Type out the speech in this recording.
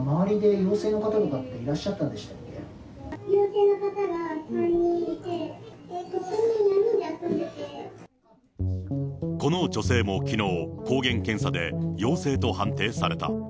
陽性の方が３人いて、この女性もきのう、抗原検査で陽性と判定された。